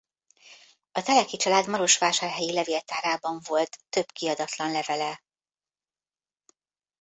A Teleki család marosvásárhelyi levéltárában volt több kiadatlan levele.